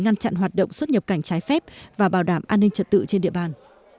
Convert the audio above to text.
ngăn chặn hoạt động xuất nhập cảnh trái phép và bảo đảm an ninh trật tự trên địa bàn